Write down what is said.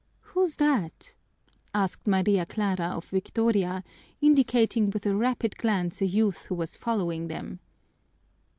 "Who's that?" asked Maria Clara of Victoria, indicating with a rapid glance a youth who was following them.